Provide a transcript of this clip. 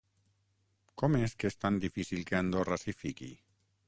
Com és que és tan difícil que Andorra s’hi fiqui?